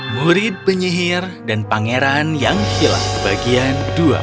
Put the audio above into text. murid penyihir dan pangeran yang hilang kebagian dua